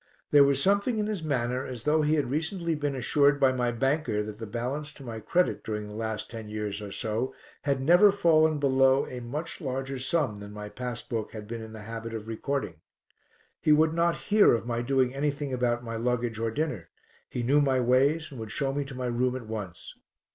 There was something in his manner as though he had recently been assured by my banker that the balance to my credit during the last ten years or so had never fallen below a much larger sum than my passbook had been in the habit of recording. He would not hear of my doing anything about my luggage or dinner, he knew my ways and would show me to my room at once.